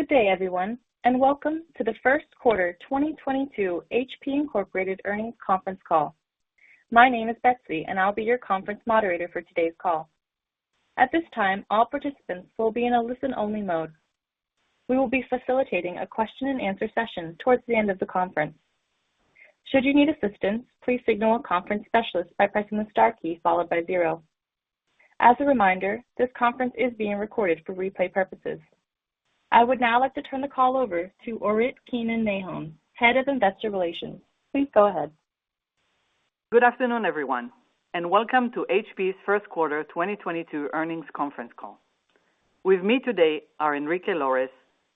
Good day, everyone, and welcome to the first quarter 2022 HP Incorporated earnings conference call. My name is Betsy, and I'll be your conference moderator for today's call. At this time, all participants will be in a listen-only mode. We will be facilitating a question and answer session towards the end of the conference. Should you need assistance, please signal a conference specialist by pressing the star key followed by zero. As a reminder, this conference is being recorded for replay purposes. I would now like to turn the call over to Orit Keinan-Nahon, Head of investor relations. Please go ahead. Good afternoon, everyone, and welcome to HP's first quarter 2022 earnings conference call. With me today are Enrique Lores,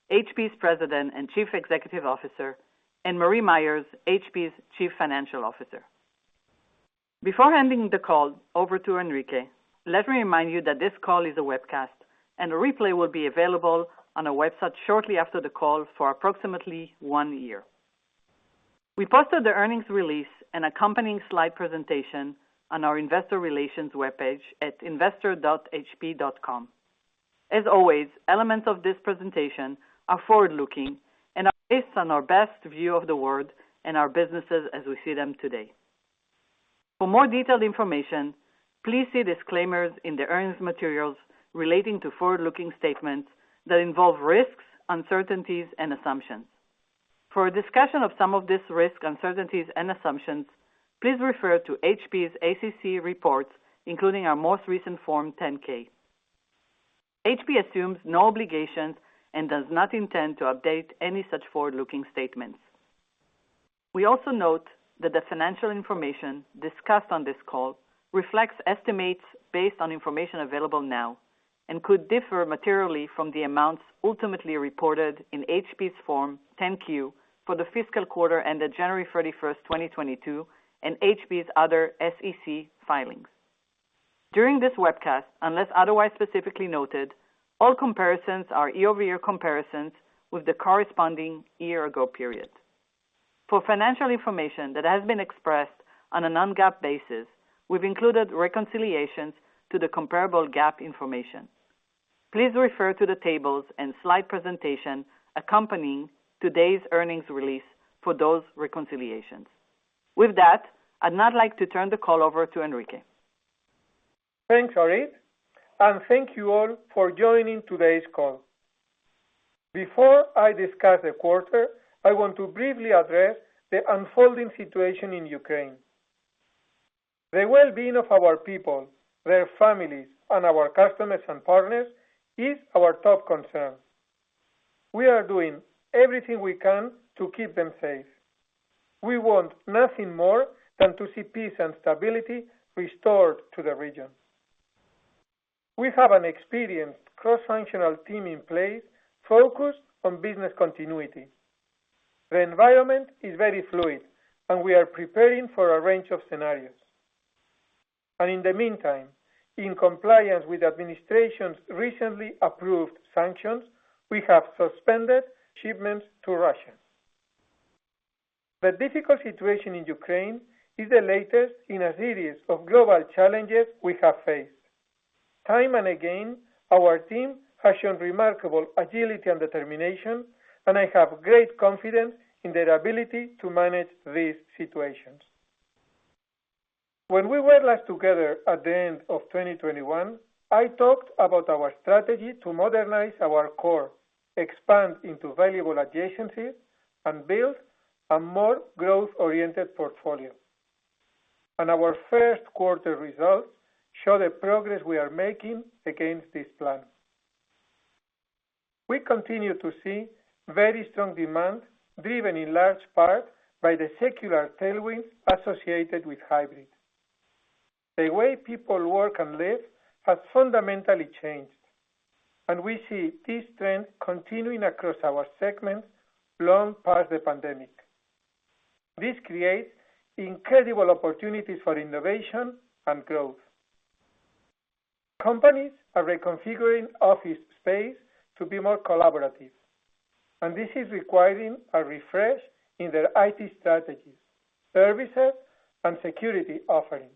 HP's President and Chief Executive Officer, and Marie Myers, HP's Chief Financial Officer. Before handing the call over to Enrique, let me remind you that this call is a webcast and a replay will be available on our website shortly after the call for approximately 1 year. We posted the earnings release and accompanying slide presentation on our investor relations webpage at investor.hp.com. As always, elements of this presentation are forward-looking and are based on our best view of the world and our businesses as we see them today. For more detailed information, please see disclaimers in the earnings materials relating to forward-looking statements that involve risks, uncertainties and assumptions. For a discussion of some of these risks, uncertainties and assumptions, please refer to HP's SEC reports, including our most recent Form 10-K. HP assumes no obligations and does not intend to update any such forward-looking statements. We also note that the financial information discussed on this call reflects estimates based on information available now and could differ materially from the amounts ultimately reported in HP's Form 10-Q for the fiscal quarter ended January 31st, 2022, and HP's other SEC filings. During this webcast, unless otherwise specifically noted, all comparisons are year-over-year comparisons with the corresponding year ago period. For financial information that has been expressed on a non-GAAP basis, we've included reconciliations to the comparable GAAP information. Please refer to the tables and slide presentation accompanying today's earnings release for those reconciliations. With that, I'd now like to turn the call over to Enrique. Thanks, Orit, and thank you all for joining today's call. Before I discuss the quarter, I want to briefly address the unfolding situation in Ukraine. The well-being of our people, their families, and our customers and partners is our top concern. We are doing everything we can to keep them safe. We want nothing more than to see peace and stability restored to the region. We have an experienced cross-functional team in place focused on business continuity. The environment is very fluid and we are preparing for a range of scenarios. In the meantime, in compliance with administration's recently approved sanctions, we have suspended shipments to Russia. The difficult situation in Ukraine is the latest in a series of global challenges we have faced. Time and again, our team has shown remarkable agility and determination, and I have great confidence in their ability to manage these situations. When we were last together at the end of 2021, I talked about our strategy to modernize our core, expand into valuable adjacencies, and build a more growth-oriented portfolio. Our first quarter results show the progress we are making against this plan. We continue to see very strong demand driven in large part by the secular tailwind associated with hybrid. The way people work and live has fundamentally changed, and we see this trend continuing across our segments long past the pandemic. This creates incredible opportunities for innovation and growth. Companies are reconfiguring office space to be more collaborative, and this is requiring a refresh in their IT strategies, services and security offerings.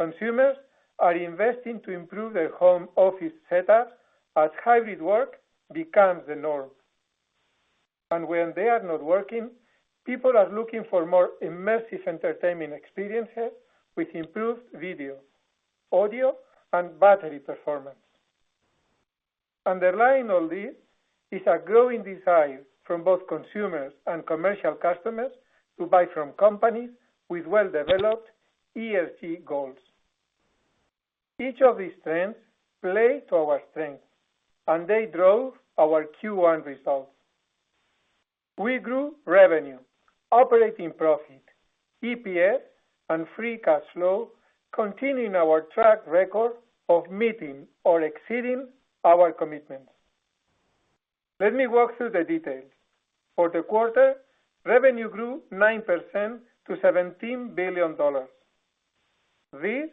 Consumers are investing to improve their home office setups as hybrid work becomes the norm. When they are not working, people are looking for more immersive entertainment experiences with improved video, audio, and battery performance. Underlying all this is a growing desire from both consumers and commercial customers to buy from companies with well-developed ESG goals. Each of these trends play to our strengths, and they drove our Q1 results. We grew revenue, operating profit, EPS, and free cash flow, continuing our track record of meeting or exceeding our commitments. Let me walk through the details. For the quarter, revenue grew 9% to $17 billion. This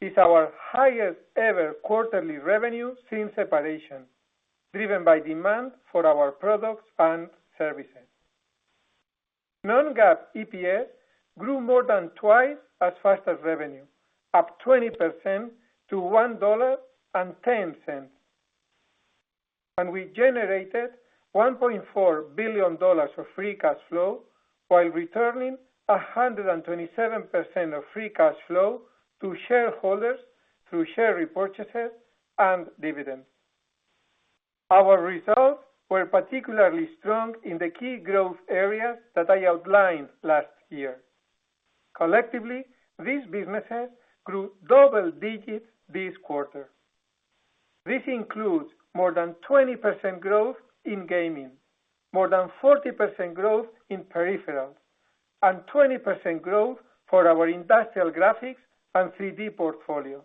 is our highest ever quarterly revenue since separation, driven by demand for our products and services. Non-GAAP EPS grew more than twice as fast as revenue, up 20% to $1.10. We generated $1.4 billion of free cash flow while returning 127% of free cash flow to shareholders through share repurchases and dividends. Our results were particularly strong in the key growth areas that I outlined last year. Collectively, these businesses grew double digits this quarter. This includes more than 20% growth in gaming, more than 40% growth in peripherals, and 20% growth for our industrial graphics and 3D portfolio.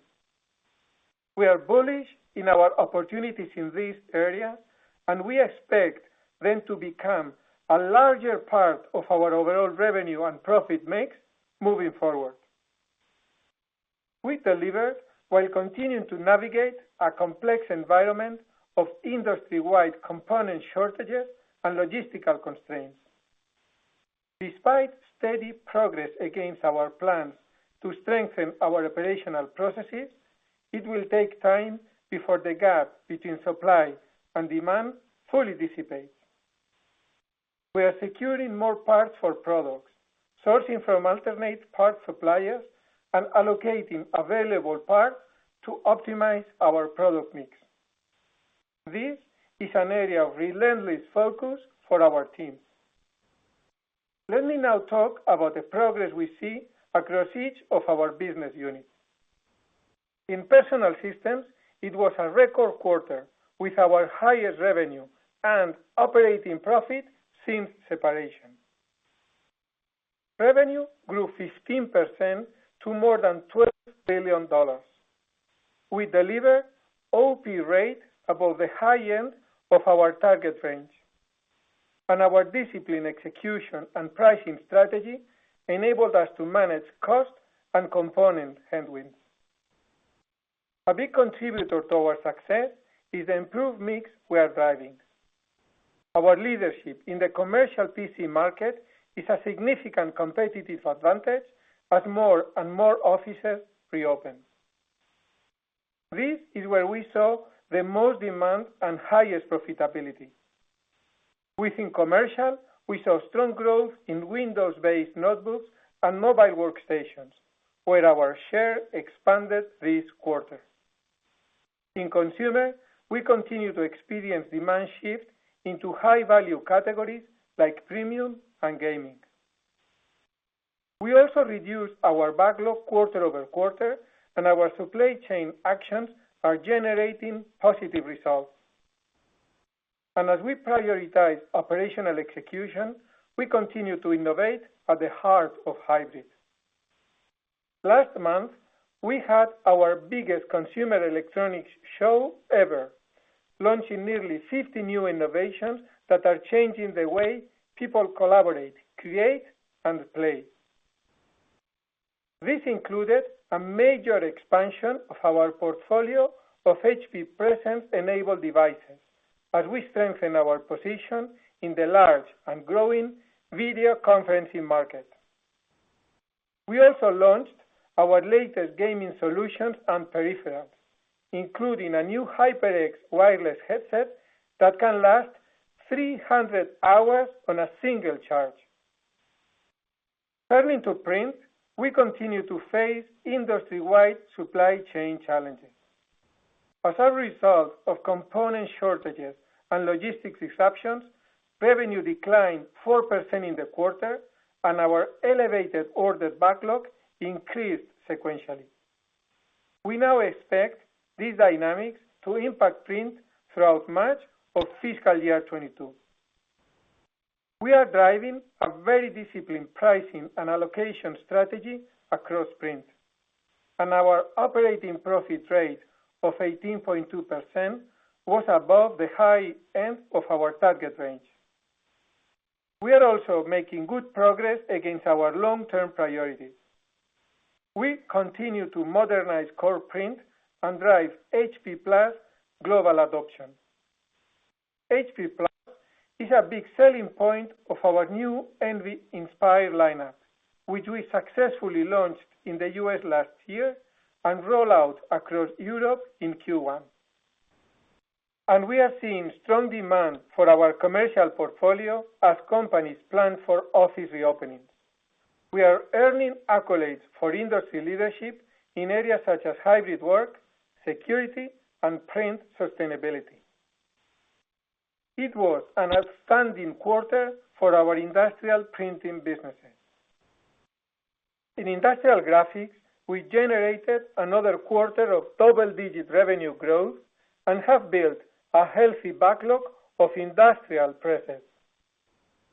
We are bullish in our opportunities in these areas, and we expect them to become a larger part of our overall revenue and profit mix moving forward. We delivered while continuing to navigate a complex environment of industry-wide component shortages and logistical constraints. Despite steady progress against our plans to strengthen our operational processes, it will take time before the gap between supply and demand fully dissipates. We are securing more parts for products, sourcing from alternate parts suppliers, and allocating available parts to optimize our product mix. This is an area of relentless focus for our teams. Let me now talk about the progress we see across each of our business units. In Personal Systems, it was a record quarter with our highest revenue and operating profit since separation. Revenue grew 15% to more than $12 billion. We delivered OP rate above the high end of our target range, and our disciplined execution and pricing strategy enabled us to manage cost and component headwinds. A big contributor to our success is the improved mix we are driving. Our leadership in the commercial PC market is a significant competitive advantage as more and more offices reopen. This is where we saw the most demand and highest profitability. Within commercial, we saw strong growth in Windows-based notebooks and mobile workstations, where our share expanded this quarter. In consumer, we continue to experience demand shift into high-value categories like premium and gaming. We also reduced our backlog quarter over quarter, and our supply chain actions are generating positive results. As we prioritize operational execution, we continue to innovate at the heart of hybrid. Last month, we had our biggest consumer electronics show ever, launching nearly 50 new innovations that are changing the way people collaborate, create, and play. This included a major expansion of our portfolio of HP Presence-enabled devices as we strengthen our position in the large and growing video conferencing market. We also launched our latest gaming solutions and peripherals, including a new HyperX wireless headset that can last 300 hours on a single charge. Turning to print, we continue to face industry-wide supply chain challenges. As a result of component shortages and logistics disruptions, revenue declined 4% in the quarter and our elevated order backlog increased sequentially. We now expect these dynamics to impact print throughout much of fiscal year 2022. We are driving a very disciplined pricing and allocation strategy across print, and our operating profit rate of 18.2% was above the high end of our target range. We are also making good progress against our long-term priorities. We continue to modernize core print and drive HP+ global adoption. HP+ is a big selling point of our new ENVY Inspire lineup, which we successfully launched in the U.S. last year and roll out across Europe in Q1. We are seeing strong demand for our commercial portfolio as companies plan for office reopenings. We are earning accolades for industry leadership in areas such as hybrid work, security, and print sustainability. It was an outstanding quarter for our industrial printing businesses. In industrial graphics, we generated another quarter of double-digit revenue growth and have built a healthy backlog of industrial presses.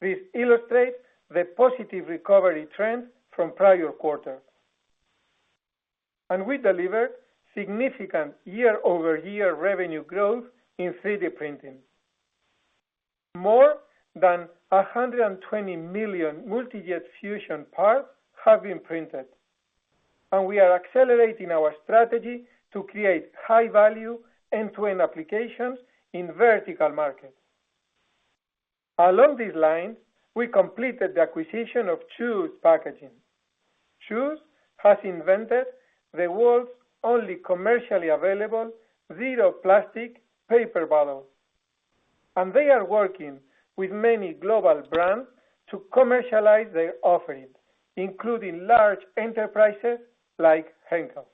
This illustrates the positive recovery trend from prior quarters. We delivered significant year-over-year revenue growth in 3D printing. More than 120 million Multi Jet Fusion parts have been printed. We are accelerating our strategy to create high value end-to-end applications in vertical markets. Along these lines, we completed the acquisition of Choose Packaging. Choose has invented the world's only commercially available zero plastic paper bottle. They are working with many global brands to commercialize their offerings, including large enterprises like Henkel.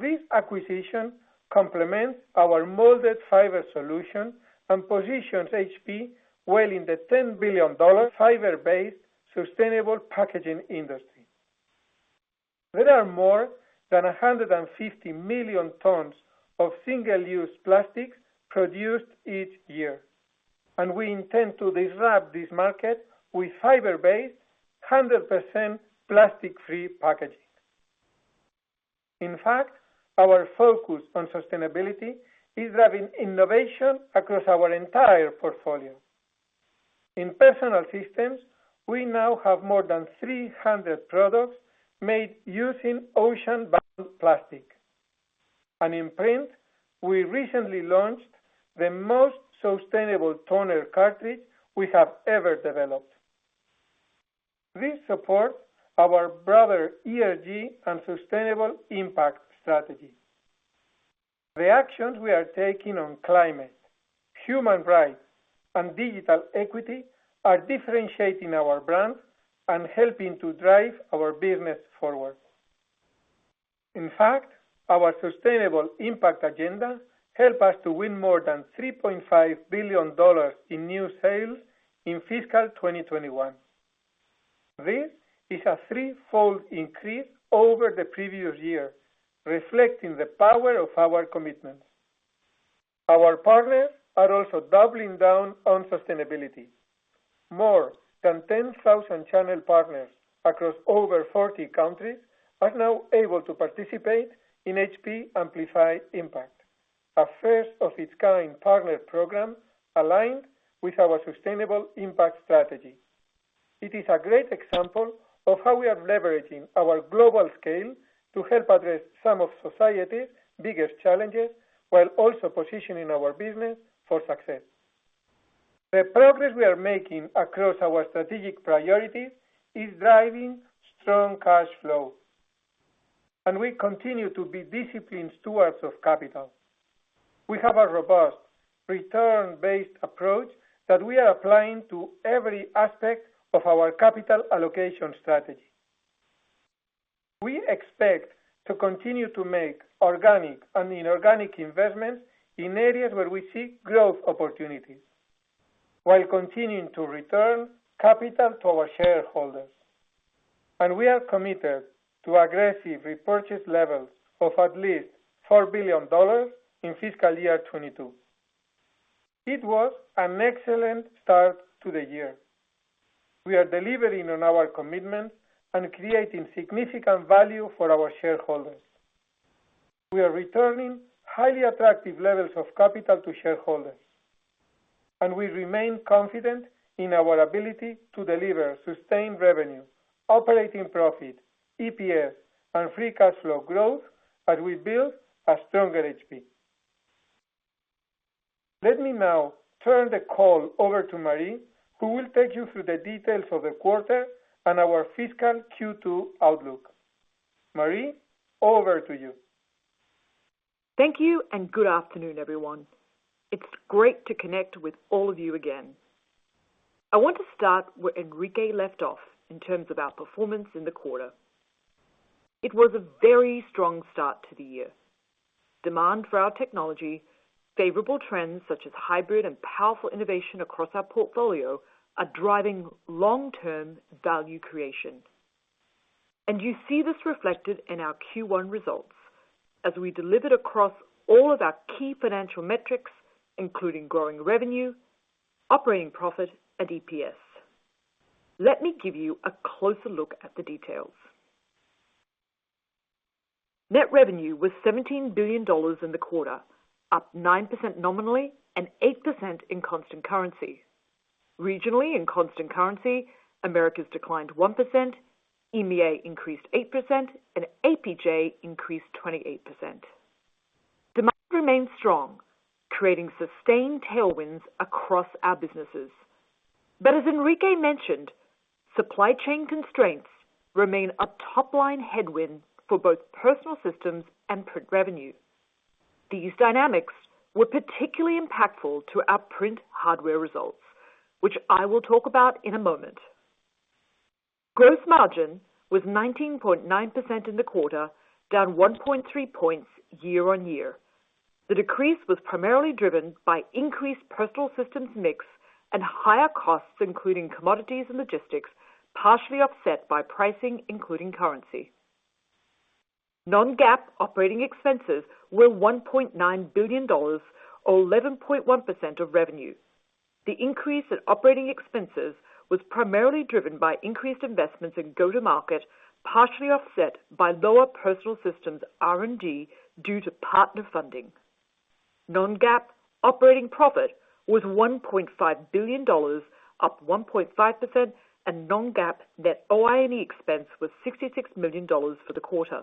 This acquisition complements our molded fiber solution and positions HP well in the $10 billion fiber-based sustainable packaging industry. There are more than 150 million tons of single-use plastic produced each year, and we intend to disrupt this market with fiber-based 100% plastic-free packaging. In fact, our focus on sustainability is driving innovation across our entire portfolio. In Personal Systems, we now have more than 300 products made using ocean-bound plastic. In Print, we recently launched the most sustainable toner cartridge we have ever developed. This supports our broader ESG and sustainable impact strategy. The actions we are taking on climate, human rights, and digital equity are differentiating our brand and helping to drive our business forward. In fact, our sustainable impact agenda help us to win more than $3.5 billion in new sales in fiscal 2021. This is a threefold increase over the previous year, reflecting the power of our commitments. Our partners are also doubling down on sustainability. More than 10,000 channel partners across over 40 countries are now able to participate in HP Amplify Impact, a first of its kind partner program aligned with our sustainable impact strategy. It is a great example of how we are leveraging our global scale to help address some of society's biggest challenges, while also positioning our business for success. The progress we are making across our strategic priorities is driving strong cash flow, and we continue to be disciplined stewards of capital. We have a robust return-based approach that we are applying to every aspect of our capital allocation strategy. We expect to continue to make organic and inorganic investments in areas where we see growth opportunities while continuing to return capital to our shareholders. We are committed to aggressive repurchase levels of at least $4 billion in fiscal year 2022. It was an excellent start to the year. We are delivering on our commitments and creating significant value for our shareholders. We are returning highly attractive levels of capital to shareholders, and we remain confident in our ability to deliver sustained revenue, operating profit, EPS, and free cash flow growth as we build a stronger HP. Let me now turn the call over to Marie, who will take you through the details of the quarter and our fiscal Q2 outlook. Marie, over to you. Thank you and good afternoon, everyone. It's great to connect with all of you again. I want to start where Enrique left off in terms of our performance in the quarter. It was a very strong start to the year. Demand for our technology, favorable trends such as hybrid and powerful innovation across our portfolio are driving long-term value creation. You see this reflected in our Q1 results as we delivered across all of our key financial metrics, including growing revenue, operating profit, and EPS. Let me give you a closer look at the details. Net revenue was $17 billion in the quarter, up 9% nominally and 8% in constant currency. Regionally, in constant currency, Americas declined 1%, EMEA increased 8%, and APJ increased 28%. Demand remains strong, creating sustained tailwinds across our businesses. as Enrique mentioned, supply chain constraints remain a top-line headwind for both Personal Systems and Print revenue. These dynamics were particularly impactful to our Print hardware results, which I will talk about in a moment. Gross margin was 19.9% in the quarter, down 1.3 points year-on-year. The decrease was primarily driven by increased Personal Systems mix and higher costs, including commodities and logistics, partially offset by pricing, including currency. Non-GAAP operating expenses were $1.9 billion or 11.1% of revenue. The increase in operating expenses was primarily driven by increased investments in go-to-market, partially offset by lower Personal Systems R&D due to partner funding. Non-GAAP operating profit was $1.5 billion, up 1.5%, and non-GAAP net OIE expense was $66 million for the quarter.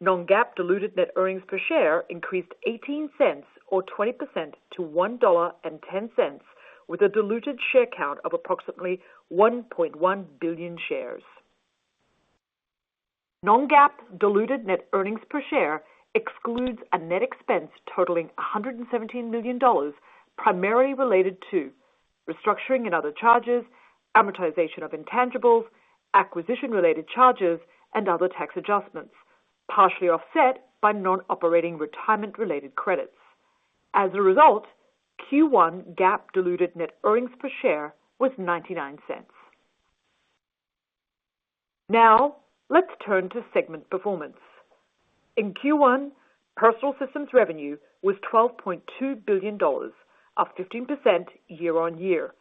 Non-GAAP diluted net earnings per share increased $0.18 or 20% to $1.10 with a diluted share count of approximately 1.1 billion shares. Non-GAAP diluted net earnings per share excludes a net expense totaling $117 million, primarily related to restructuring and other charges, amortization of intangibles, acquisition-related charges, and other tax adjustments, partially offset by non-operating retirement-related credits. As a result, Q1 GAAP diluted net earnings per share was $0.99. Now, let's turn to segment performance. In Q1, Personal Systems revenue was $12.2 billion, up 15% year-on-year.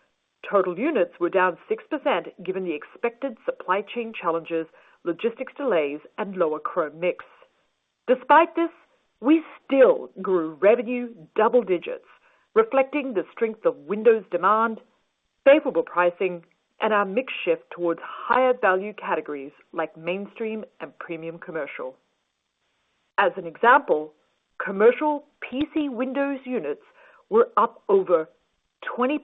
Total units were down 6% given the expected supply chain challenges, logistics delays, and lower Chrome mix. Despite this, we still grew revenue double digits, reflecting the strength of Windows demand, favorable pricing, and our mix shift towards higher value categories like mainstream and premium commercial. As an example, commercial PC Windows units were up over 20%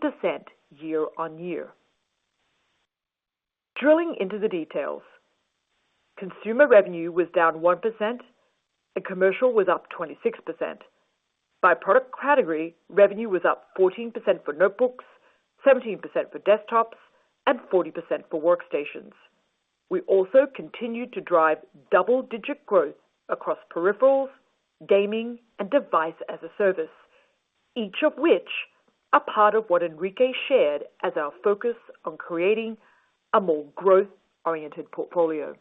year-on-year. Drilling into the details, consumer revenue was down 1% and commercial was up 26%. By product category, revenue was up 14% for notebooks, 17% for desktops, and 40% for workstations. We also continued to drive double-digit growth across peripherals, gaming, and Device as a Service, each of which are part of what Enrique shared as our focus on creating a more growth-oriented portfolio.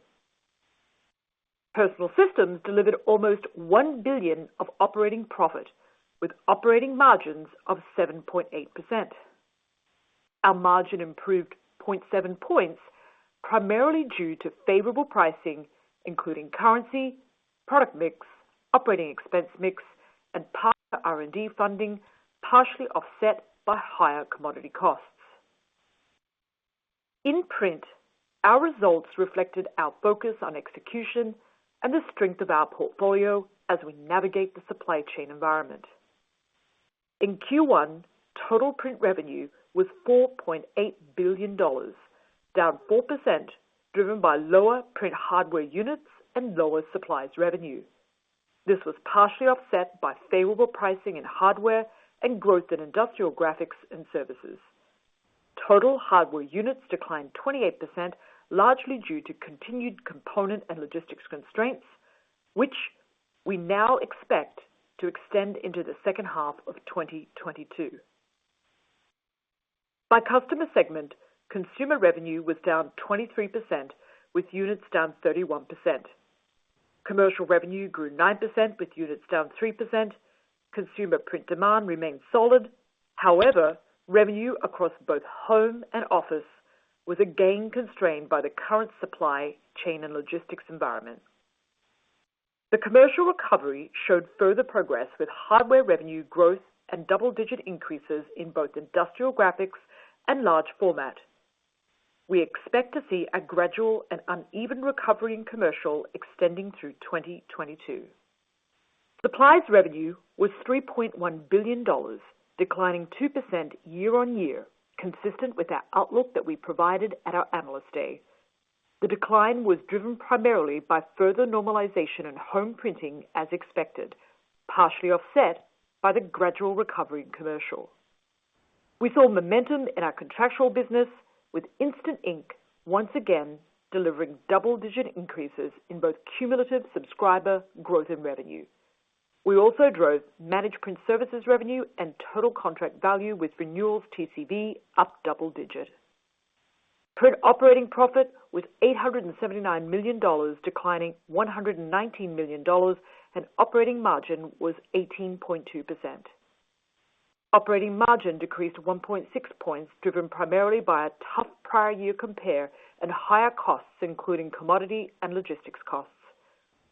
Personal Systems delivered almost $1 billion of operating profit with operating margins of 7.8%. Our margin improved 0.7 points, primarily due to favorable pricing, including currency, product mix, operating expense mix, and R&D funding, partially offset by higher commodity costs. In Print, our results reflected our focus on execution and the strength of our portfolio as we navigate the supply chain environment. In Q1, total Print revenue was $4.8 billion, down 4% driven by lower Print hardware units and lower supplies revenue. This was partially offset by favorable pricing in hardware and growth in industrial graphics and services. Total hardware units declined 28%, largely due to continued component and logistics constraints, which we now expect to extend into the second half of 2022. By customer segment, consumer revenue was down 23%, with units down 31%. Commercial revenue grew 9% with units down 3%. Consumer print demand remained solid. However, revenue across both home and office was again constrained by the current supply chain and logistics environment. The commercial recovery showed further progress with hardware revenue growth and double-digit increases in both industrial graphics and large format. We expect to see a gradual and uneven recovery in commercial extending through 2022. Supplies revenue was $3.1 billion, declining 2% year-on-year, consistent with our outlook that we provided at our Analyst Day. The decline was driven primarily by further normalization in home printing as expected, partially offset by the gradual recovery in commercial. We saw momentum in our contractual business with Instant Ink once again delivering double-digit increases in both cumulative subscriber growth and revenue. We also drove Managed Print Services revenue and total contract value with renewals TCV up double digits. Print operating profit was $879 million, declining $119 million, and operating margin was 18.2%. Operating margin decreased 1.6 points, driven primarily by a tough prior year compare and higher costs, including commodity and logistics costs.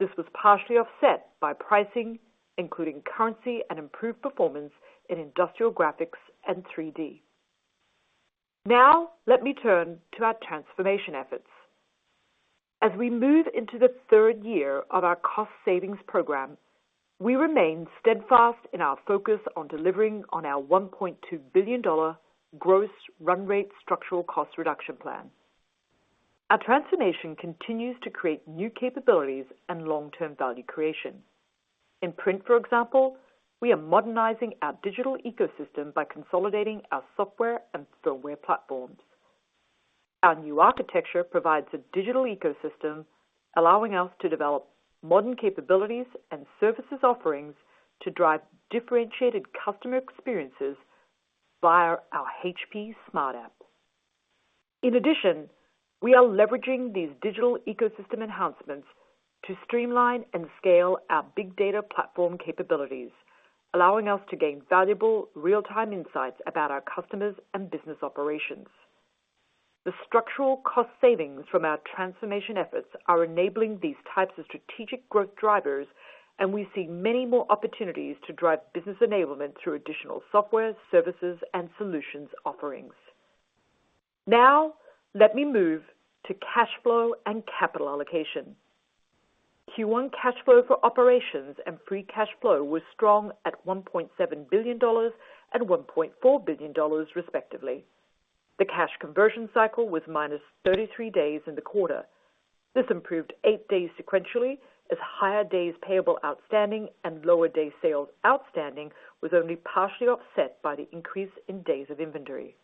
This was partially offset by pricing, including currency and improved performance in industrial graphics and 3D. Now let me turn to our transformation efforts. As we move into the third year of our cost savings program, we remain steadfast in our focus on delivering on our $1.2 billion gross run rate structural cost reduction plan. Our transformation continues to create new capabilities and long-term value creation. In Print, for example, we are modernizing our digital ecosystem by consolidating our software and firmware platforms. Our new architecture provides a digital ecosystem, allowing us to develop modern capabilities and services offerings to drive differentiated customer experiences via our HP Smart app. In addition, we are leveraging these digital ecosystem enhancements to streamline and scale our big data platform capabilities, allowing us to gain valuable real-time insights about our customers and business operations. The structural cost savings from our transformation efforts are enabling these types of strategic growth drivers, and we see many more opportunities to drive business enablement through additional software, services, and solutions offerings. Now let me move to cash flow and capital allocation. Q1 cash flow for operations and free cash flow was strong at $1.7 billion and $1.4 billion, respectively. The cash conversion cycle was -33 days in the quarter. This improved 8 days sequentially as higher days payable outstanding and lower day sales outstanding was only partially offset by the increase in days of inventory.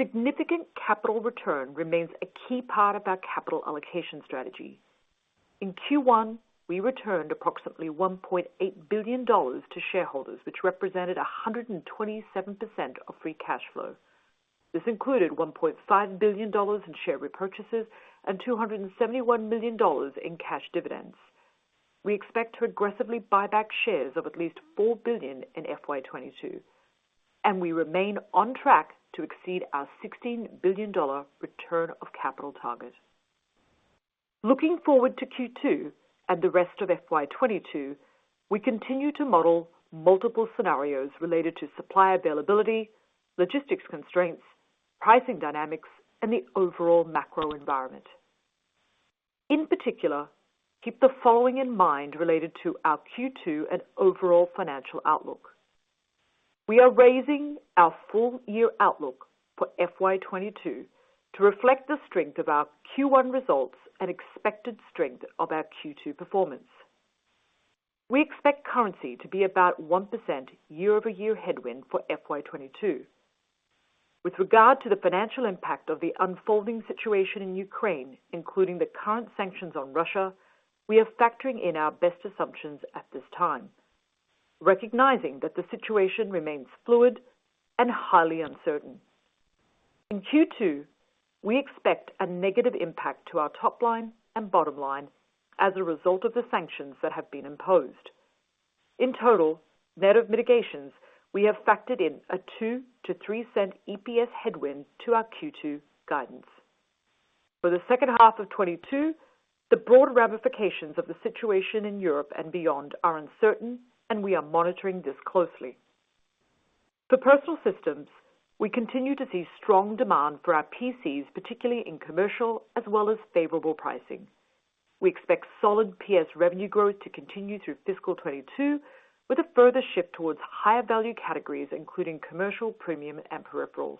Significant capital return remains a key part of our capital allocation strategy. In Q1, we returned approximately $1.8 billion to shareholders, which represented 127% of free cash flow. This included $1.5 billion in share repurchases and $271 million in cash dividends. We expect to aggressively buy back shares of at least $4 billion in FY 2022, and we remain on track to exceed our $16 billion return of capital target. Looking forward to Q2 and the rest of FY 2022, we continue to model multiple scenarios related to supply availability, logistics constraints, pricing dynamics, and the overall macro environment. In particular, keep the following in mind related to our Q2 and overall financial outlook. We are raising our full-year outlook for FY 2022 to reflect the strength of our Q1 results and expected strength of our Q2 performance. We expect currency to be about 1% year-over-year headwind for FY 2022. With regard to the financial impact of the unfolding situation in Ukraine, including the current sanctions on Russia, we are factoring in our best assumptions at this time, recognizing that the situation remains fluid and highly uncertain. In Q2, we expect a negative impact to our top line and bottom line as a result of the sanctions that have been imposed. In total, net of mitigations, we have factored in a $0.02-$0.03 EPS headwind to our Q2 guidance. For the second half of 2022, the broad ramifications of the situation in Europe and beyond are uncertain, and we are monitoring this closely. For Personal Systems, we continue to see strong demand for our PCs, particularly in commercial, as well as favorable pricing. We expect solid PS revenue growth to continue through fiscal 2022 with a further shift towards higher value categories, including commercial, premium, and peripherals.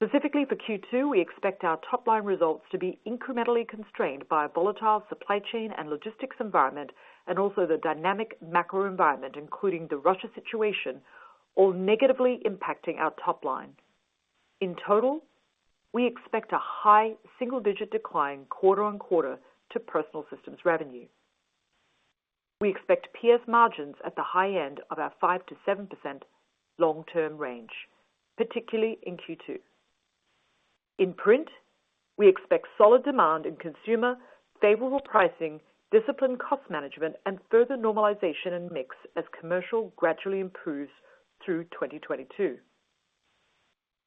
Specifically for Q2, we expect our top line results to be incrementally constrained by a volatile supply chain and logistics environment and also the dynamic macro environment, including the Russia situation, all negatively impacting our top line. In total, we expect a high single-digit decline quarter-on-quarter to Personal Systems revenue. We expect PS margins at the high end of our 5%-7% long-term range, particularly in Q2. In Print, we expect solid demand in consumer, favorable pricing, disciplined cost management, and further normalization in mix as commercial gradually improves through 2022.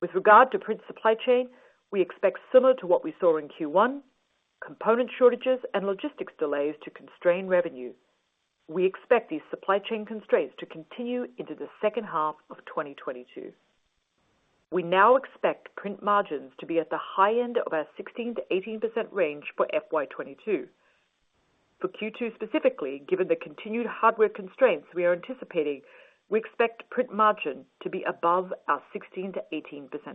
With regard to Print supply chain, we expect similar to what we saw in Q1, component shortages and logistics delays to constrain revenue. We expect these supply chain constraints to continue into the second half of 2022. We now expect Print margins to be at the high end of our 16%-18% range for FY 2022. For Q2 specifically, given the continued hardware constraints we are anticipating, we expect Print margin to be above our 16%-18%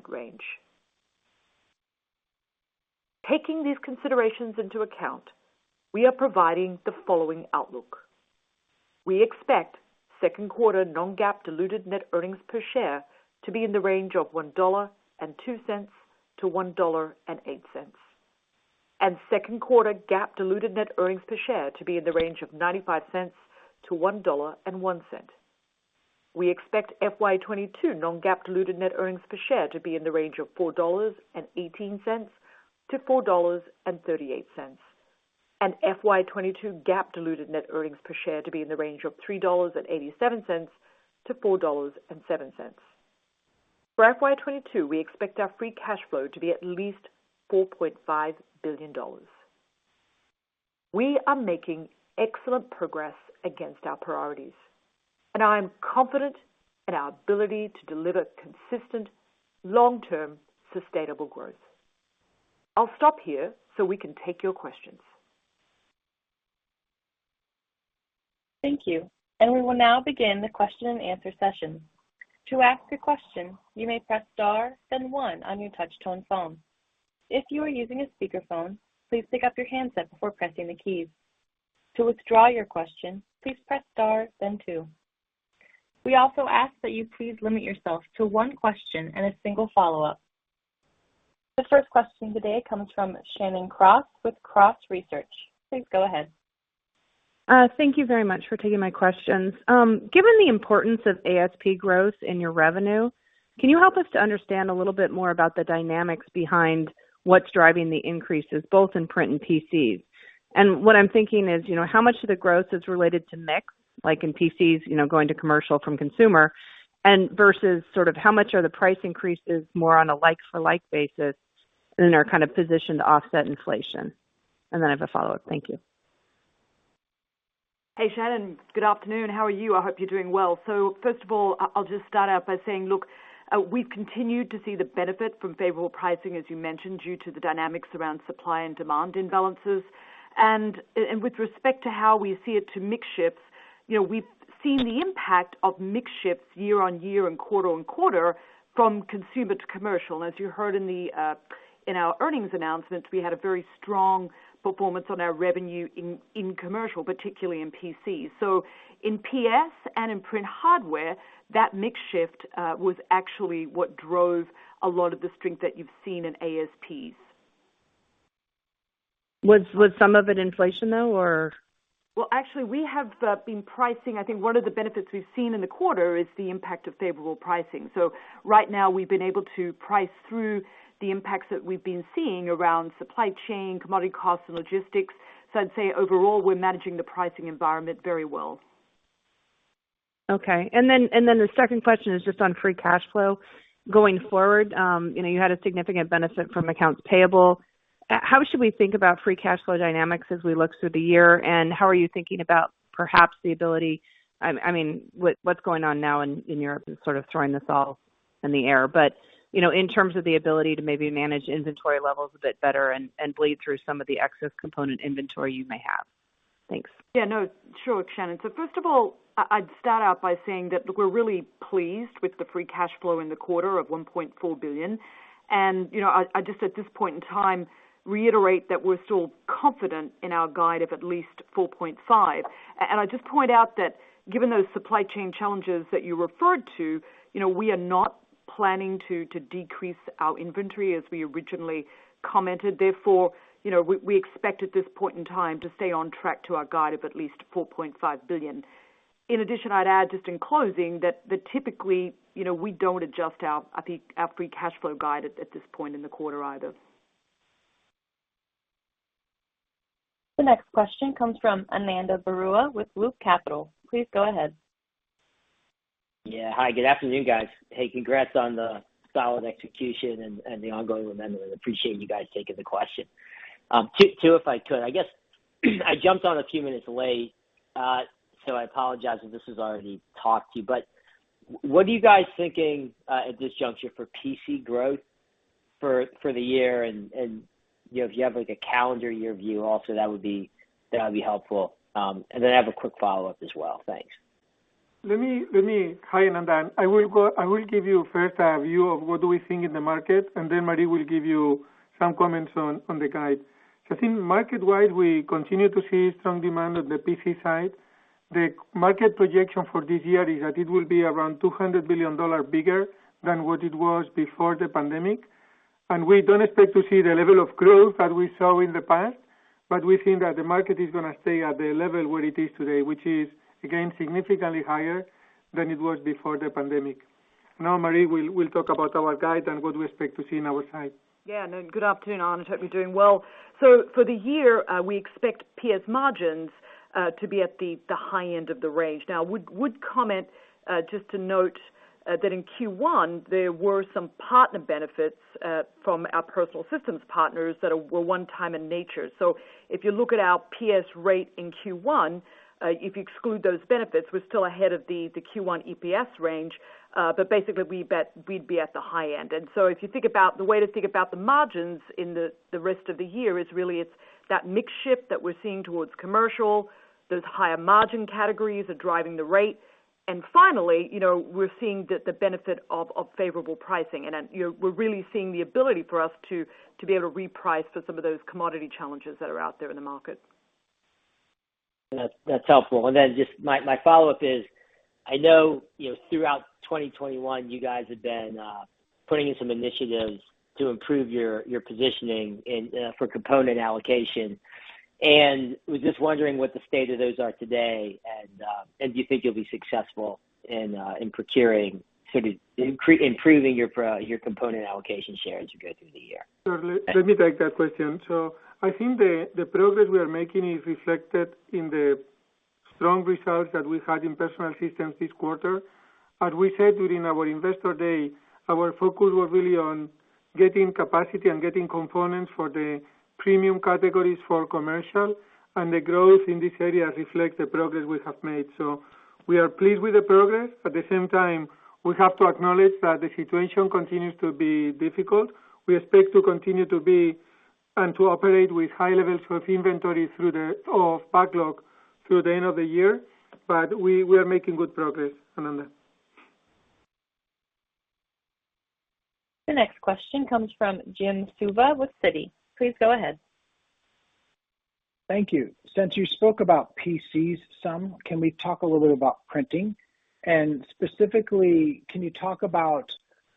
range. Taking these considerations into account, we are providing the following outlook. We expect second quarter non-GAAP diluted net earnings per share to be in the range of $1.02-$1.08, and second quarter GAAP diluted net earnings per share to be in the range of $0.95-$1.01. We expect FY 2022 non-GAAP diluted net earnings per share to be in the range of $4.18-$4.38, and FY 2022 GAAP diluted net earnings per share to be in the range of $3.87-$4.07. For FY 2022, we expect our free cash flow to be at least $4.5 billion. We are making excellent progress against our priorities, and I am confident in our ability to deliver consistent, long-term, sustainable growth. I'll stop here so we can take your questions. Thank you. We will now begin the question-and-answer session. To ask a question, you may press star, then one on your touch-tone phone. If you are using a speakerphone, please pick up your handset before pressing the keys. To withdraw your question, please press star, then two. We also ask that you please limit yourself to one question and a single follow-up. The first question today comes from Shannon Cross with Cross Research. Please go ahead. Thank you very much for taking my questions. Given the importance of ASP growth in your revenue, can you help us to understand a little bit more about the dynamics behind what's driving the increases, both in Print and PCs? What I'm thinking is, you know, how much of the growth is related to mix, like in PCs, you know, going to commercial from consumer and versus sort of how much are the price increases more on a like-for-like basis and are kind of positioned to offset inflation? Then I have a follow-up. Thank you. Hey, Shannon. Good afternoon. How are you? I hope you're doing well. First of all, I'll just start out by saying, look, we've continued to see the benefit from favorable pricing, as you mentioned, due to the dynamics around supply and demand imbalances. And with respect to how we see the mix shifts, you know, we've seen the impact of mix shifts year-on-year and quarter-on-quarter from consumer to commercial. As you heard in our earnings announcements, we had a very strong performance on our revenue in commercial, particularly in PCs. In PS and in print hardware, that mix shift was actually what drove a lot of the strength that you've seen in ASPs. Was some of it inflation though, or? Well, actually, I think one of the benefits we've seen in the quarter is the impact of favorable pricing. Right now we've been able to price through the impacts that we've been seeing around supply chain, commodity costs and logistics. I'd say overall, we're managing the pricing environment very well. Okay. The second question is just on free cash flow going forward. You know, you had a significant benefit from accounts payable. How should we think about free cash flow dynamics as we look through the year? How are you thinking about perhaps the ability? I mean, what's going on now in Europe is sort of throwing this all in the air. You know, in terms of the ability to maybe manage inventory levels a bit better and bleed through some of the excess component inventory you may have. Thanks. Yeah, no. Sure, Shannon. First of all, I'd start out by saying that look, we're really pleased with the free cash flow in the quarter of $1.4 billion. You know, I just at this point in time reiterate that we're still confident in our guide of at least $4.5 billion. I'd just point out that given those supply chain challenges that you referred to, you know, we are not planning to decrease our inventory as we originally commented. Therefore, you know, we expect at this point in time to stay on track to our guide of at least $4.5 billion. In addition, I'd add just in closing that typically, you know, we don't adjust our, I think our free cash flow guide at this point in the quarter either. The next question comes from Ananda Baruah with Loop Capital. Please go ahead. Yeah. Hi, good afternoon guys. Hey, congrats on the solid execution and the ongoing momentum. Appreciate you guys taking the question. Two if I could. I guess I jumped on a few minutes late, so I apologize if this was already talked to you. What are you guys thinking at this juncture for PC growth for the year? You know, if you have like a calendar year view also, that would be helpful. Then I have a quick follow-up as well. Thanks. Hi, Ananda. I will give you first a view of what do we think in the market, and then Marie will give you some comments on the guide. I think market-wide, we continue to see strong demand on the PC side. The market projection for this year is that it will be around $200 billion bigger than what it was before the pandemic, and we don't expect to see the level of growth that we saw in the past. We think that the market is gonna stay at the level where it is today, which is again, significantly higher than it was before the pandemic. Marie will talk about our guide and what we expect to see in our side. Yeah. No, good afternoon, Ananda. Hope you're doing well. For the year, we expect PS margins to be at the high end of the range. Now, just to note, that in Q1 there were some partner benefits from our personal systems partners that were one time in nature. If you look at our PS rate in Q1, if you exclude those benefits, we're still ahead of the Q1 EPS range. But basically we bet we'd be at the high end. If you think about the way to think about the margins in the rest of the year, it's really that mix shift that we're seeing towards commercial, those higher margin categories are driving the rate. Finally, you know, we're seeing the benefit of favorable pricing. You know, we're really seeing the ability for us to be able to reprice for some of those commodity challenges that are out there in the market. That's helpful. Just my follow-up is, I know, you know, throughout 2021 you guys had been putting in some initiatives to improve your positioning in for component allocation. I was just wondering what the state of those are today and do you think you'll be successful in procuring sort of improving your component allocation share as you go through the year? Sure. Let me take that question. I think the progress we are making is reflected in the strong results that we had in Personal Systems this quarter. As we said during our Investor Day, our focus was really on getting capacity and getting components for the premium categories for commercial. The growth in this area reflects the progress we have made. We are pleased with the progress. At the same time, we have to acknowledge that the situation continues to be difficult. We expect to continue to be and to operate with high levels of inventory or backlog through the end of the year, but we are making good progress, Ananda. The next question comes from Jim Suva with Citi. Please go ahead. Thank you. Since you spoke about PCs some, can we talk a little bit about printing? Specifically, can you talk about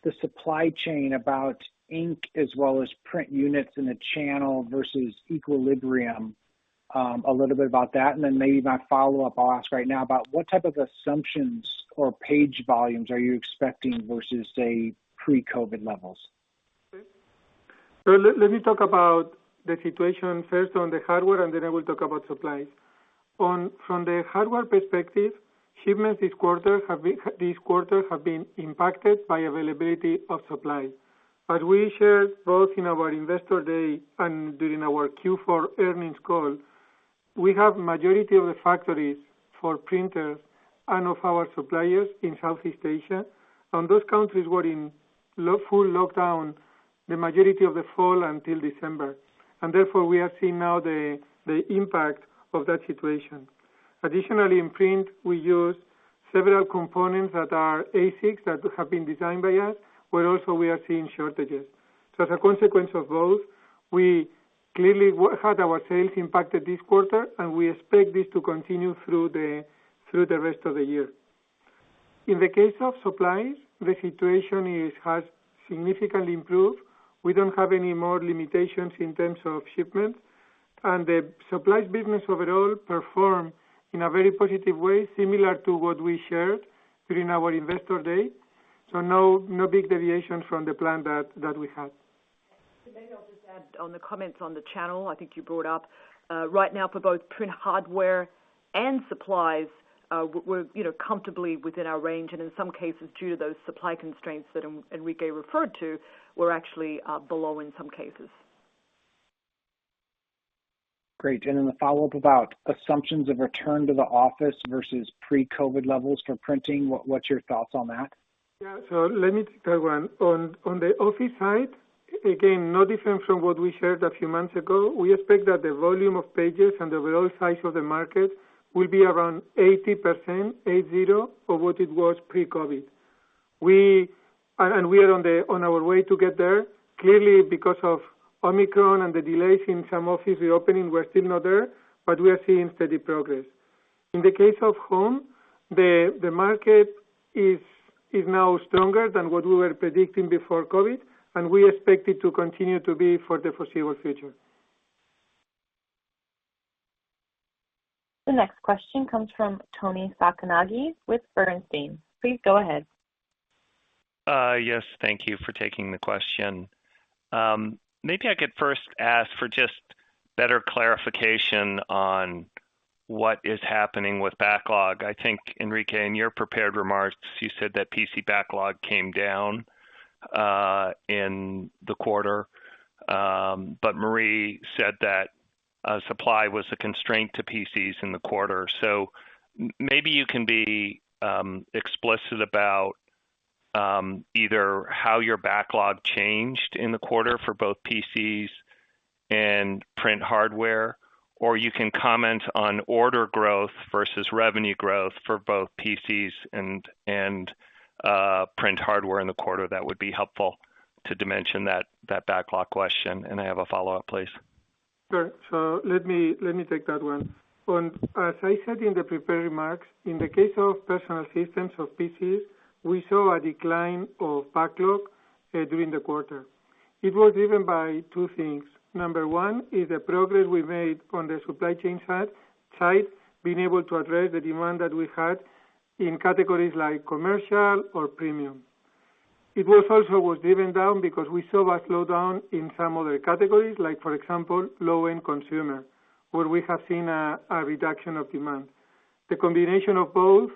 the supply chain about ink as well as print units in the channel versus equilibrium, a little bit about that. Then maybe my follow-up I'll ask right now about what type of assumptions or page volumes are you expecting versus say pre-COVID levels? Let me talk about the situation first on the hardware, and then I will talk about supply. From the hardware perspective, shipments this quarter have been impacted by availability of supply. As we shared both in our investor day and during our Q4 earnings call, we have majority of the factories for printers and of our suppliers in Southeast Asia, and those countries were in full lockdown the majority of the fall until December. Therefore, we have seen now the impact of that situation. Additionally, in print, we use several components that are ASICs that have been designed by us, where also we are seeing shortages. As a consequence of both, we clearly had our sales impacted this quarter, and we expect this to continue through the rest of the year. In the case of supplies, the situation has significantly improved. We don't have any more limitations in terms of shipments. The supplies business overall perform in a very positive way, similar to what we shared during our Investor Day. No big deviation from the plan that we had. Maybe I'll just add on the comments on the channel, I think you brought up. Right now for both print hardware and supplies, we're, you know, comfortably within our range, and in some cases, due to those supply constraints that Enrique referred to, we're actually below in some cases. Great. The follow-up about assumptions of return to the office versus pre-COVID levels for printing, what's your thoughts on that? Yeah. Let me take that one. On the office side, again, no different from what we shared a few months ago. We expect that the volume of pages and the overall size of the market will be around 80% of what it was pre-COVID. And we are on our way to get there. Clearly because of Omicron and the delays in some office reopening, we're still not there, but we are seeing steady progress. In the case of home, the market is now stronger than what we were predicting before COVID, and we expect it to continue to be for the foreseeable future. The next question comes from Toni Sacconaghi with Bernstein. Please go ahead. Yes, thank you for taking the question. Maybe I could first ask for just better clarification on what is happening with backlog. I think, Enrique, in your prepared remarks, you said that PC backlog came down in the quarter. Marie said that supply was a constraint to PCs in the quarter. Maybe you can be explicit about either how your backlog changed in the quarter for both PCs and print hardware, or you can comment on order growth versus revenue growth for both PCs and print hardware in the quarter, that would be helpful to dimension that backlog question. I have a follow up, please. Sure. Let me take that one. As I said in the prepared remarks, in the case of personal systems or PCs, we saw a decline of backlog during the quarter. It was driven by two things. Number one is the progress we made on the supply chain side, being able to address the demand that we had in categories like commercial or premium. It was also driven down because we saw a slowdown in some other categories, like for example, low-end consumer, where we have seen a reduction of demand. The combination of both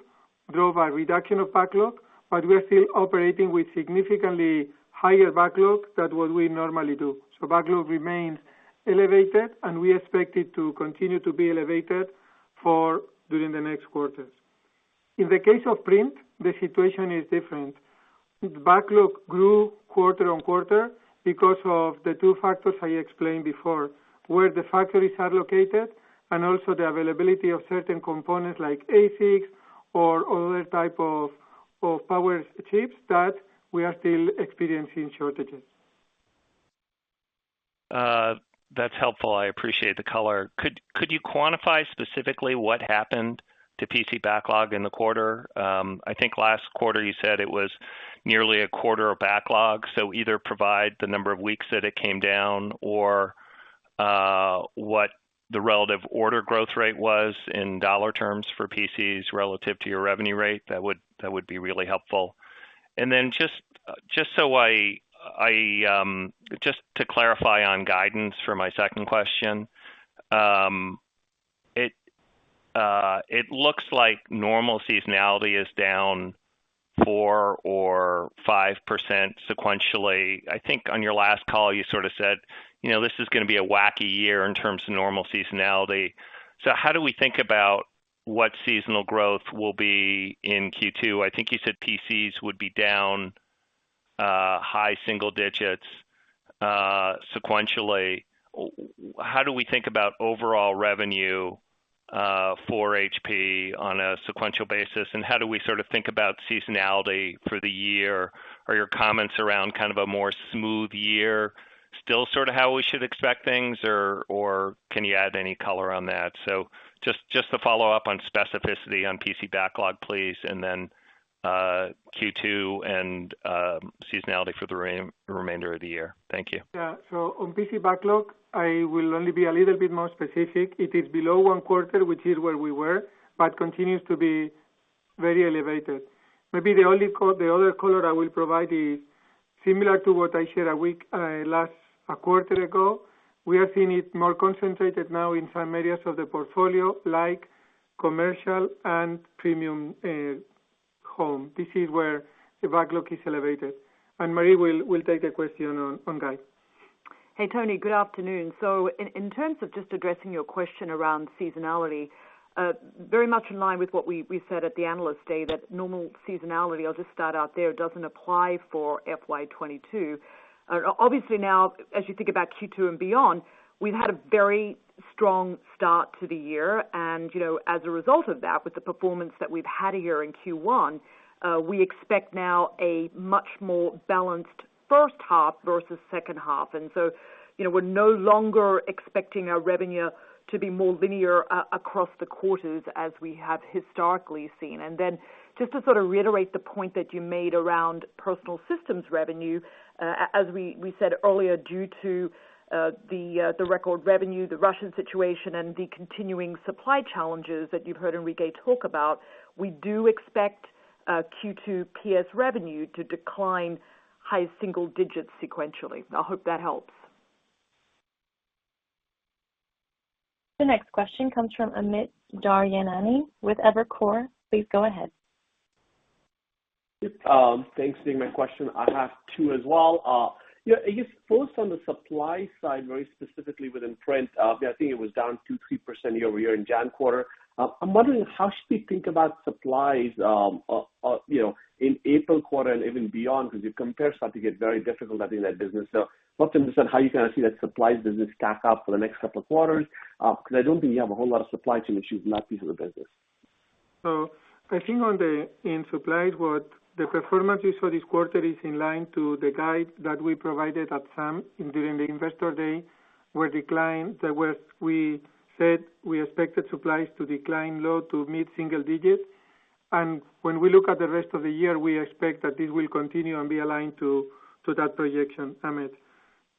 drove a reduction of backlog, but we are still operating with significantly higher backlog than what we normally do. Backlog remains elevated, and we expect it to continue to be elevated for during the next quarters. In the case of print, the situation is different. Backlog grew quarter on quarter because of the two factors I explained before, where the factories are located and also the availability of certain components like ASICs or other type of power chips that we are still experiencing shortages. That's helpful. I appreciate the color. Could you quantify specifically what happened to PC backlog in the quarter? I think last quarter you said it was nearly a quarter of backlog. Either provide the number of weeks that it came down or what the relative order growth rate was in dollar terms for PCs relative to your revenue rate. That would be really helpful. Then just so I just to clarify on guidance for my second question. It looks like normal seasonality is down 4% or 5% sequentially. I think on your last call, you sort of said, you know, this is gonna be a wacky year in terms of normal seasonality. How do we think about what seasonal growth will be in Q2? I think you said PCs would be down high single digits sequentially. How do we think about overall revenue for HP on a sequential basis? How do we sort of think about seasonality for the year? Are your comments around kind of a more smooth year still sort of how we should expect things or can you add any color on that? Just to follow up on specificity on PC backlog, please, and then Q2 and seasonality for the remainder of the year. Thank you. Yeah. On PC backlog, I will only be a little bit more specific. It is below one quarter, which is where we were, but continues to be very elevated. Maybe the other color I will provide is similar to what I shared a week last quarter ago. We are seeing it more concentrated now in some areas of the portfolio like commercial and premium home. This is where the backlog is elevated. Marie will take the question on guidance. Hey, Toni. Good afternoon. In terms of just addressing your question around seasonality, very much in line with what we said at the Analyst Day that normal seasonality, I'll just start out there, doesn't apply for FY 2022. Obviously now, as you think about Q2 and beyond, we've had a very strong start to the year. You know, as a result of that, with the performance that we've had here in Q1, we expect now a much more balanced first half versus second half. You know, we're no longer expecting our revenue to be more linear across the quarters as we have historically seen. Just to sort of reiterate the point that you made around Personal Systems revenue, as we said earlier, due to the record revenue, the Russian situation, and the continuing supply challenges that you've heard Enrique talk about, we do expect Q2 PS revenue to decline high single digits sequentially. I hope that helps. The next question comes from Amit Daryanani with Evercore. Please go ahead. Yes. Thanks for taking my question. I have two as well. Yeah, I guess both on the supply side, very specifically within print, I think it was down 2%-3% year-over-year in January quarter. I'm wondering how should we think about supplies, you know, in April quarter and even beyond, because your compares start to get very difficult, I think, in that business. Love to understand how you kind of see that supplies business stack up for the next couple of quarters, because I don't think you have a whole lot of supply chain issues left in the business. I think on the, in supplies, what the performance is for this quarter is in line to the guide that we provided at SAM during the Investor Day. We said we expected supplies to decline low- to mid-single digits. When we look at the rest of the year, we expect that this will continue and be aligned to that projection, Amit.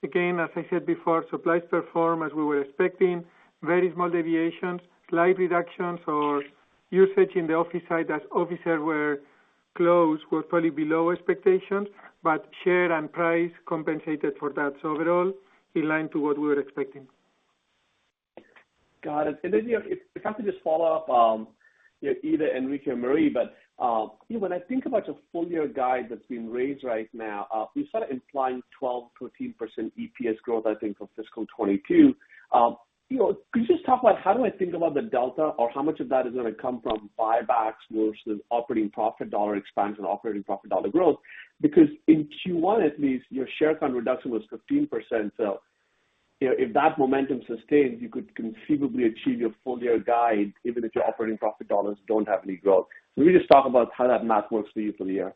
Again, as I said before, supplies perform as we were expecting, very small deviations, slight reductions or usage in the office side as offices were closed was probably below expectations, but share and price compensated for that. Overall, in line to what we were expecting. Got it. If I can just follow up, either Enrique or Marie, but you know, when I think about your full year guide that's being raised right now, you're sort of implying 12%-13% EPS growth, I think, for fiscal 2022. You know, could you just talk about how I think about the delta or how much of that is gonna come from buybacks versus operating profit dollar expense and operating profit dollar growth? Because in Q1 at least, your share count reduction was 15%. You know, if that momentum sustains, you could conceivably achieve your full year guide, even if your operating profit dollars don't have any growth. Can we just talk about how that math works for you for the year?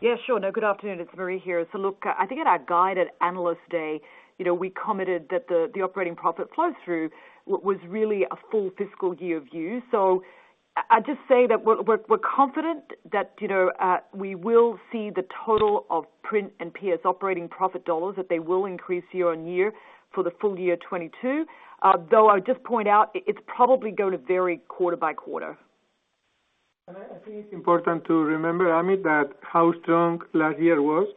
Yeah, sure. No, good afternoon. It's Marie here. Look, I think in our guided Analyst Day, you know, we commented that the operating profit flow through was really a full fiscal year view. I'd just say that we're confident that, you know, we will see the total of Print and PS operating profit dollars, that they will increase year-on-year for the full year 2022. Though I would just point out it's probably going to vary quarter-by-quarter. I think it's important to remember, Amit, that how strong last year was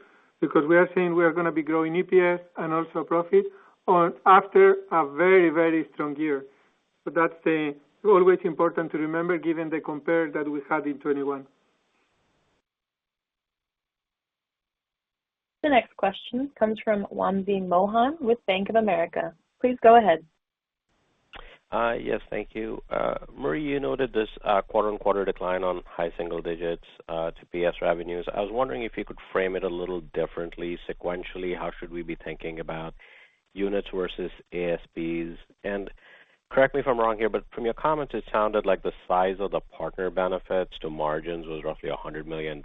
because we are saying we are gonna be growing EPS and also profit one after a very, very strong year. That's always important to remember given the comp that we had in 2021. The next question comes from Wamsi Mohan with Bank of America. Please go ahead. Yes. Thank you. Marie, you noted this quarter-on-quarter decline on high single digits to PS revenues. I was wondering if you could frame it a little differently sequentially. How should we be thinking about units versus ASPs? Correct me if I'm wrong here, but from your comments, it sounded like the size of the partner benefits to margins was roughly $100 million,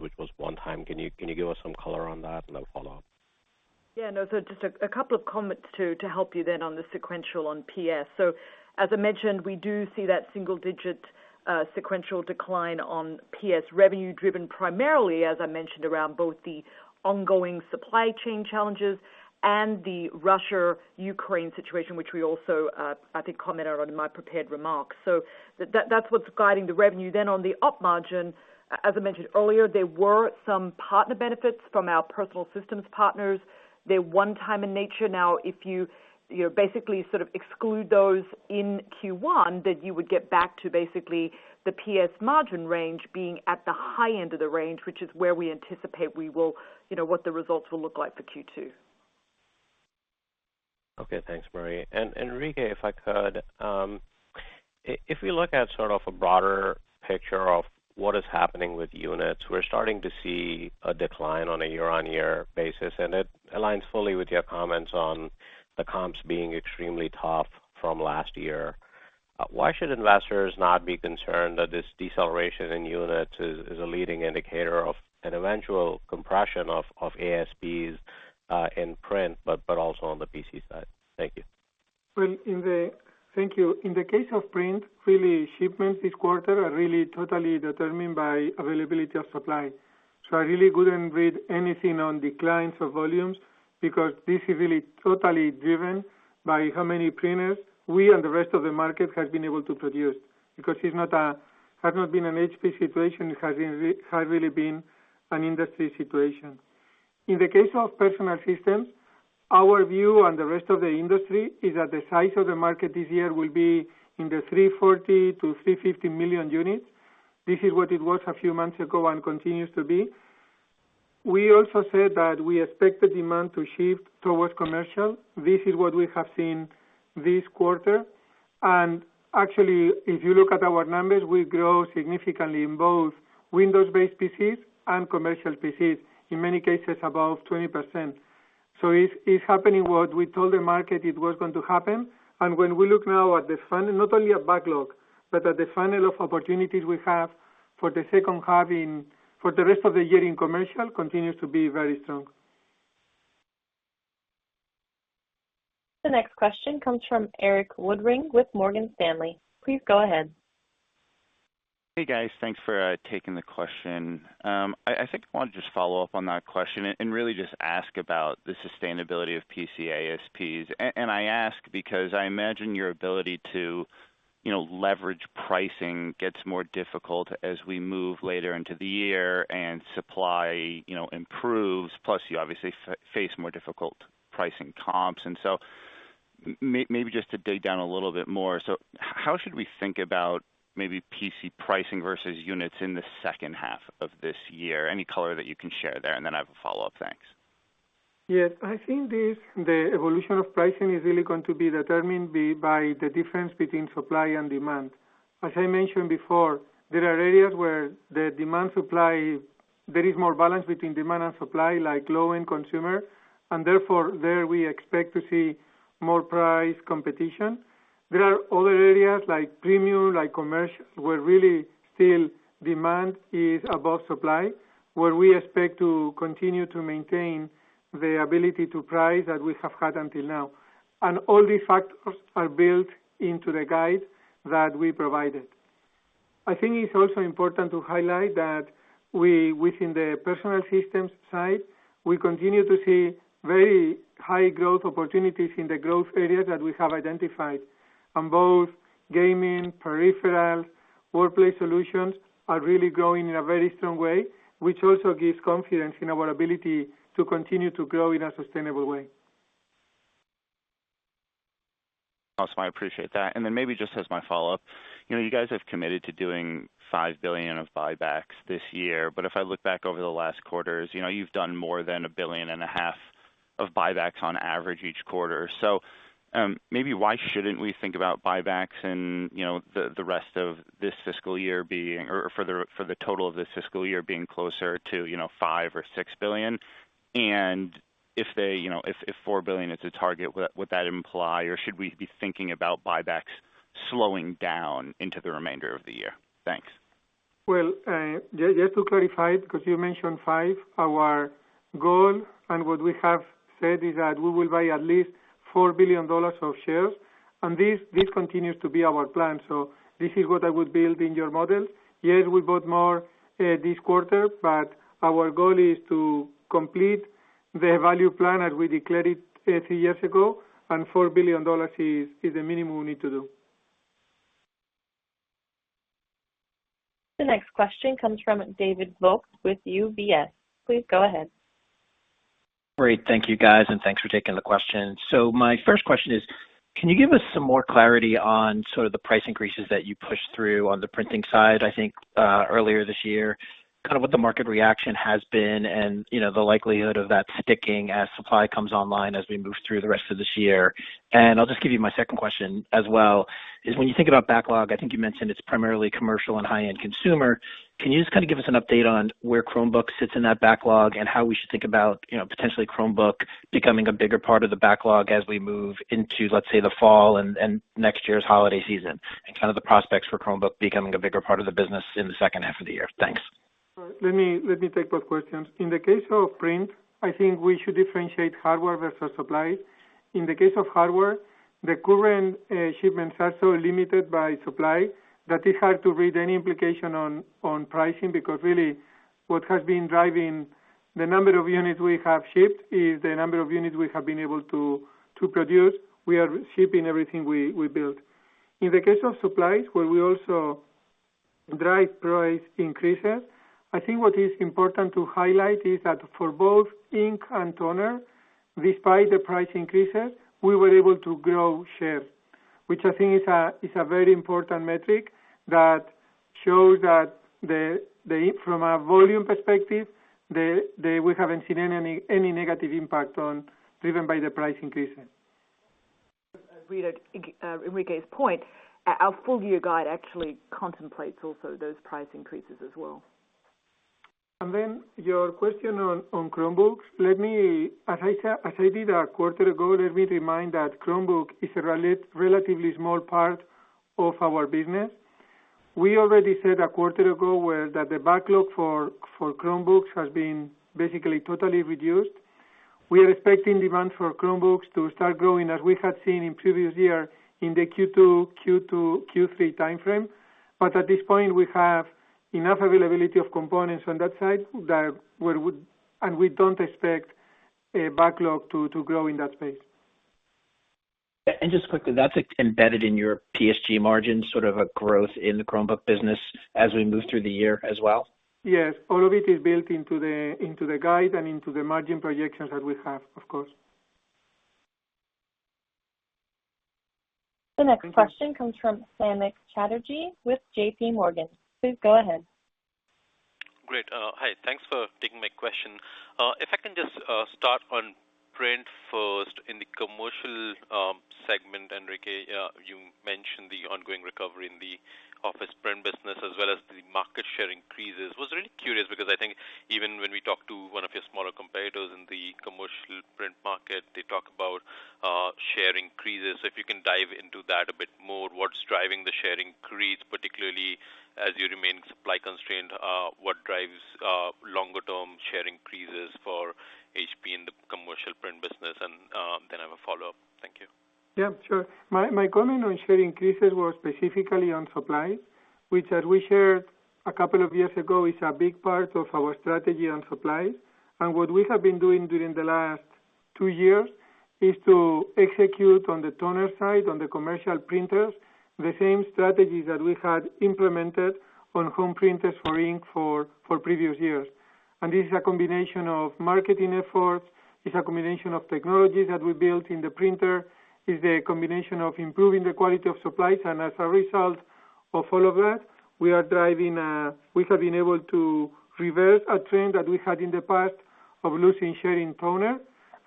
which was one-time. Can you give us some color on that? I'll follow up. Yeah, no. Just a couple of comments to help you then on the sequential on PS. As I mentioned, we do see that single-digit sequential decline on PS revenue driven primarily, as I mentioned, around both the ongoing supply chain challenges and the Russia-Ukraine situation, which we also, I think, commented on in my prepared remarks. That's what's guiding the revenue. On the op margin, as I mentioned earlier, there were some partner benefits from our Personal Systems partners. They're one-time in nature. Now, if you know, basically sort of exclude those in Q1, then you would get back to basically the PS margin range being at the high end of the range, which is where we anticipate we will, you know, what the results will look like for Q2. Okay. Thanks, Marie. Enrique, if I could, if we look at sort of a broader picture of what is happening with units, we're starting to see a decline on a year-on-year basis, and it aligns fully with your comments on the comps being extremely tough from last year. Why should investors not be concerned that this deceleration in units is a leading indicator of an eventual compression of ASPs in Print, but also on the PC side? Thank you. In the case of Print, shipments this quarter are really totally determined by availability of supply. I really couldn't read anything on declines of volumes because this is really totally driven by how many printers we and the rest of the market has been able to produce because it's not an HP situation, it has really been an industry situation. In the case of Personal Systems, our view on the rest of the industry is that the size of the market this year will be in the 340-350 million units. This is what it was a few months ago and continues to be. We also said that we expect the demand to shift towards commercial. This is what we have seen this quarter. Actually if you look at our numbers, we grow significantly in both Windows-based PCs and commercial PCs, in many cases above 20%. It's happening what we told the market it was going to happen. When we look now at the funnel, not only at backlog, but at the funnel of opportunities we have for the second half in, for the rest of the year in commercial continues to be very strong. The next question comes from Erik Woodring with Morgan Stanley. Please go ahead. Hey guys, thanks for taking the question. I think I want to just follow up on that question and really just ask about the sustainability of PC ASPs. I ask because I imagine your ability to, you know, leverage pricing gets more difficult as we move later into the year and supply, you know, improves, plus you obviously face more difficult pricing comps. Maybe just to dig down a little bit more. How should we think about maybe PC pricing versus units in the second half of this year? Any color that you can share there, and then I have a follow-up. Thanks. Yes, I think the evolution of pricing is really going to be determined by the difference between supply and demand. As I mentioned before, there are areas where there is more balance between demand and supply, like low-end consumer, and therefore there we expect to see more price competition. There are other areas like premium, like commercial, where really still demand is above supply, where we expect to continue to maintain the ability to price as we have had until now. All these factors are built into the guide that we provided. I think it's also important to highlight that we, within the Personal Systems side, we continue to see very high growth opportunities in the growth areas that we have identified. Both gaming, peripherals, workplace solutions are really growing in a very strong way, which also gives confidence in our ability to continue to grow in a sustainable way. Awesome, I appreciate that. Maybe just as my follow-up. You know, you guys have committed to doing $5 billion of buybacks this year, but if I look back over the last quarters, you know, you've done more than $1.5 billion of buybacks on average each quarter. Maybe why shouldn't we think about buybacks and, you know, the rest of this fiscal year being or for the total of this fiscal year being closer to, you know, $5 billion or $6 billion? If they, you know, if $4 billion is the target, what would that imply? Or should we be thinking about buybacks slowing down into the remainder of the year? Thanks. Well, just to clarify, because you mentioned $5 billion, our goal and what we have said is that we will buy at least $4 billion of shares, and this continues to be our plan. This is what I would build in your model. Yes, we bought more this quarter, but our goal is to complete the value plan as we declared it three years ago, and $4 billion is the minimum we need to do. The next question comes from David Vogt with UBS. Please go ahead. Great. Thank you guys, and thanks for taking the question. My first question is, can you give us some more clarity on sort of the price increases that you pushed through on the printing side, I think, earlier this year? Kind of what the market reaction has been and, you know, the likelihood of that sticking as supply comes online as we move through the rest of this year. I'll just give you my second question as well, is when you think about backlog, I think you mentioned it's primarily commercial and high-end consumer. Can you just kind of give us an update on where Chromebook sits in that backlog and how we should think about, you know, potentially Chromebook becoming a bigger part of the backlog as we move into, let's say, the fall and next year's holiday season, and kind of the prospects for Chromebook becoming a bigger part of the business in the second half of the year? Thanks. Let me take both questions. In the case of print, I think we should differentiate hardware versus supplies. In the case of hardware, the current shipments are so limited by supply that it's hard to read any implication on pricing because really what has been driving the number of units we have shipped is the number of units we have been able to produce. We are shipping everything we build. In the case of supplies, where we also drive price increases, I think what is important to highlight is that for both ink and toner, despite the price increases, we were able to grow share, which I think is a very important metric that shows that from a volume perspective, we haven't seen any negative impact driven by the price increases. Read Enrique's point. Our full year guide actually contemplates also those price increases as well. Your question on Chromebooks. Let me, as I did a quarter ago, let me remind that Chromebook is a relatively small part of our business. We already said a quarter ago that the backlog for Chromebooks has been basically totally reduced. We are expecting demand for Chromebooks to start growing as we had seen in previous year in the Q2-Q3 timeframe. But at this point, we have enough availability of components on that side. We don't expect a backlog to grow in that space. Just quickly, that's, like, embedded in your PSG margin, sort of a growth in the Chromebook business as we move through the year as well? Yes. All of it is built into the guide and into the margin projections that we have, of course. The next question comes from Samik Chatterjee with JPMorgan. Please go ahead. Great. Hi. Thanks for taking my question. If I can just start on Print first in the commercial segment, Enrique. You mentioned the ongoing recovery in the office print business as well as the market share increases. I was really curious because I think even when we talk to one of your smaller competitors in the commercial print market, they talk about share increases. If you can dive into that a bit more, what's driving the share increase, particularly as you remain supply constrained, what drives longer term share increases for HP in the commercial print business? Then I have a follow-up. Thank you. Yeah. Sure. My comment on share increases was specifically on supplies, which as we shared a couple of years ago, is a big part of our strategy on supplies. What we have been doing during the last two years is to execute on the toner side, on the commercial printers, the same strategies that we had implemented on home printers for ink for previous years. This is a combination of marketing efforts. It's a combination of technologies that we built in the printer. It's a combination of improving the quality of supplies. As a result of all of that, we have been able to reverse a trend that we had in the past of losing share in toner.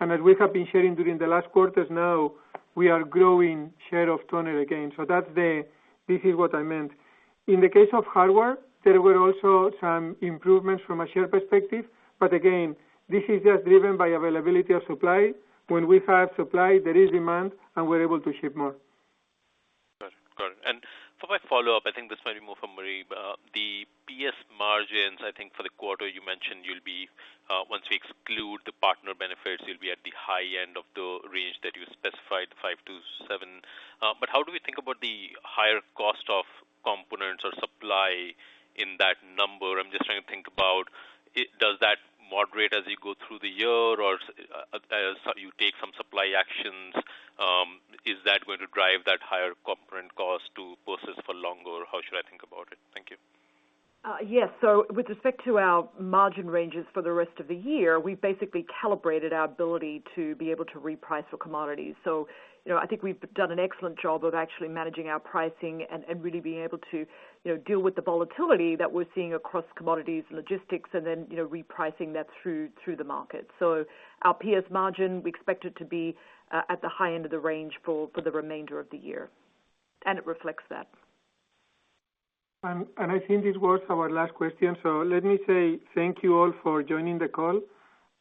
As we have been sharing during the last quarters, now we are growing share of toner again. That's the... This is what I meant. In the case of hardware, there were also some improvements from a share perspective, but again, this is just driven by availability of supply. When we have supply, there is demand, and we're able to ship more. Got it. For my follow-up, I think this might be more for Marie. The PS margins, I think for the quarter, you mentioned you'll be, once we exclude the partner benefits, you'll be at the high end of the range that you specified, 5%-7%. But how do we think about the higher cost of components or supply in that number? I'm just trying to think about it. Does that moderate as you go through the year or as you take some supply actions, is that going to drive that higher component cost to persist for longer? How should I think about it? Thank you. Yes. With respect to our margin ranges for the rest of the year, we've basically calibrated our ability to be able to reprice for commodities. You know, I think we've done an excellent job of actually managing our pricing and really being able to, you know, deal with the volatility that we're seeing across commodities, logistics, and then, you know, repricing that through the market. Our PS margin, we expect it to be at the high end of the range for the remainder of the year, and it reflects that. I think this was our last question. Let me say thank you all for joining the call.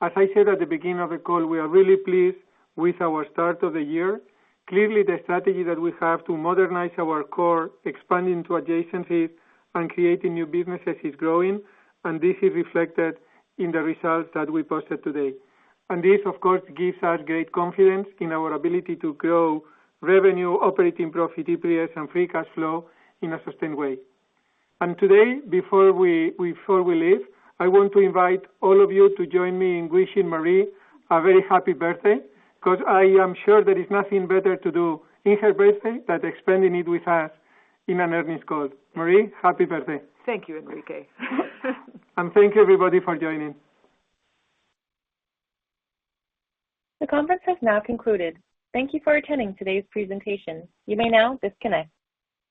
As I said at the beginning of the call, we are really pleased with our start of the year. Clearly, the strategy that we have to modernize our core, expanding to adjacencies and creating new businesses is growing, and this is reflected in the results that we posted today. This, of course, gives us great confidence in our ability to grow revenue, operating profit, EPS, and free cash flow in a sustained way. Today, before we leave, I want to invite all of you to join me in wishing Marie a very happy birthday, 'cause I am sure there is nothing better to do in her birthday than spending it with us in an earnings call. Marie, happy birthday. Thank you, Enrique. Thank you everybody for joining. The conference has now concluded. Thank you for attending today's presentation. You may now disconnect.